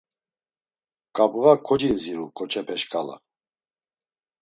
Ǩabğa kocindziru ǩoçepe şǩala…